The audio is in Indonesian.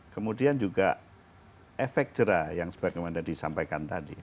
kemudian juga efek jera yang sebanyak yang disampaikan tadi